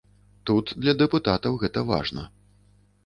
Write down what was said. Тут для дэпутатаў гэта важна.